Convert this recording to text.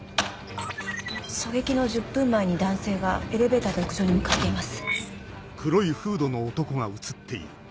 狙撃の１０分前に男性がエレベーターで屋上に向かっています。